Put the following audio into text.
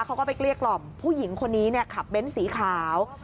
เขาก็ไปเกลี้ยกล่อมผู้หญิงคนนี้ขับเบ้นสีขาว